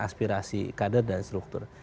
aspirasi kader dan struktur